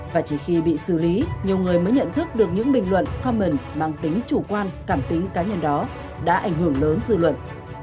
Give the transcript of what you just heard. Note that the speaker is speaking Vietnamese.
và chỉ khi bị xử lý nhiều người mới nhận thức được những bình luận comment mang tính chủ quan cảm tính cá nhân đó đã ảnh hưởng lớn dư luận